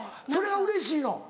それがうれしいの？